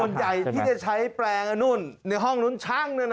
คนใหญ่ที่จะใช้แปลงอันนู้นในห้องนู้นช่างด้วยนะ